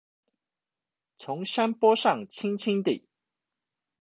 從山坡上輕輕地